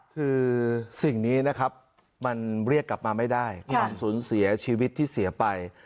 คือสิ่งนี้นะครับมันเรียกกลับมาไม่ได้ความสูญเสียชีวิตที่เสียไป